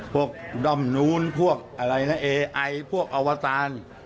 พวกด้อมนู้นพวกอะไรนะเอไอพวกอวตาร